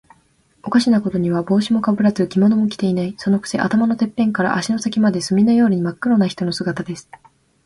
おかしなことには、帽子もかぶらず、着物も着ていない。そのくせ、頭のてっぺんから足の先まで、墨のようにまっ黒な人の姿です。